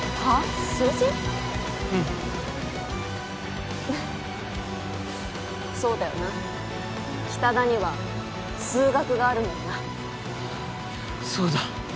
うんそうだよな北田には数学があるもんなそうだ